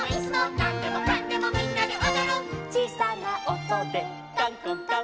「なんでもかんでもみんなでおどる」「ちいさなおとでかんこんかん」